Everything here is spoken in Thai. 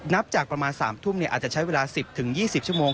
นับจากประมาณ๓ทุ่มอาจจะใช้เวลา๑๐๒๐ชั่วโมง